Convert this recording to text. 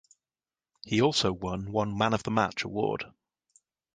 He also won one man of the match award.